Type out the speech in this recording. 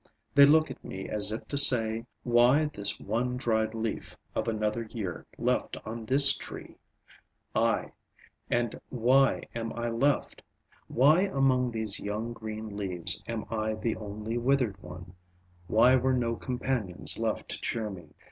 They look at me as if to say Why this one dried leaf of another year left on this tree? Aye, and why am I left Why among these young, green leaves am I the only withered one? Why were no companions left to cheer me?